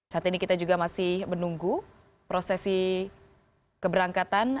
saat ini kita juga masih menunggu prosesi keberangkatan